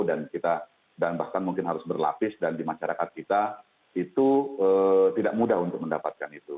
dan kita bahkan mungkin harus berlapis dan di masyarakat kita itu tidak mudah untuk mendapatkan itu